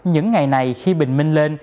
những ngày này khi bình minh lên